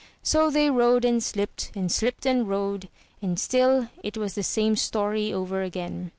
So they rode and slipped, and slipped and rode, and still it was the same story over again.